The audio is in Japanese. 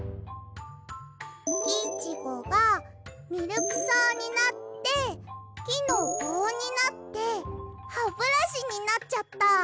キイチゴがミルクそうになってきのぼうになってハブラシになっちゃった。